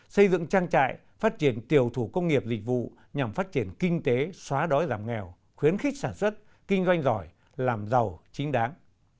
xây dựng trang trại phát triển tiều thủ công nghiệp dịch vụ nhằm phát triển kinh tế xóa đói giảm nghèo khuyến khích sản xuất kinh doanh giỏi làm giàu chính đáng